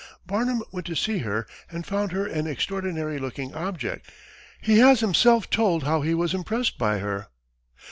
Barnum went to see her and found her an extraordinary looking object. He has himself told how he was impressed by her.